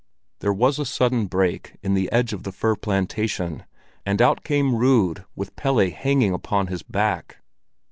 There was a sudden break in the edge of the fir plantation, and out came Rud with Pelle hanging upon his back.